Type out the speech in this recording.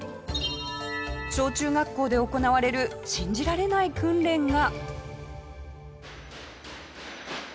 小中学校で行われる信じられない訓練が。